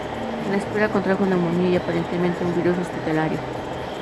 En la espera contrajo neumonía y aparentemente un virus hospitalario.